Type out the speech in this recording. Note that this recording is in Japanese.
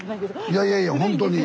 いやいやいやほんとに。